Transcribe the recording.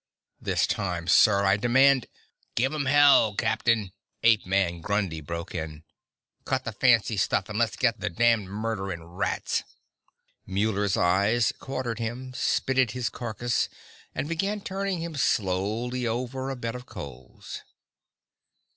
This time, sir, I demand ..." "Give 'em hell, Captain," ape man Grundy broke in. "Cut the fancy stuff, and let's get the damned murdering rats!" Muller's eyes quartered him, spitted his carcass, and began turning him slowly over a bed of coals.